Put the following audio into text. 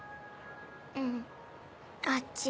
うんあっち。